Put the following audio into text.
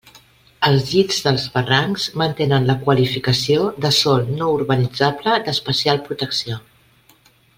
Els llits dels barrancs mantenen la qualificació de sòl no urbanitzable d'especial protecció.